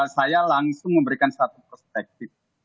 saya langsung memberikan satu perspektif